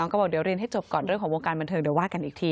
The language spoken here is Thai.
ก็บอกเดี๋ยวเรียนให้จบก่อนเรื่องของวงการบันเทิงเดี๋ยวว่ากันอีกที